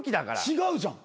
違うじゃん。